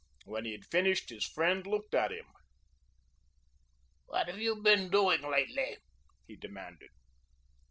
When he had finished, his friend looked at him. "What have you been doing lately?" he demanded.